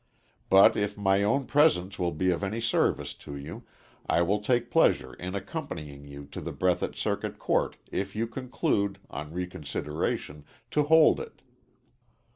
But if my own presence will be of any service to you, I will take pleasure in accompanying you to the Breathitt Circuit Court if you conclude, on reconsideration, to hold it.